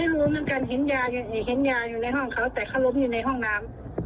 รู้เหมือนกันเห็นยาเห็นยาอยู่ในห้องเขาแต่เขาล้มอยู่ในห้องน้ำ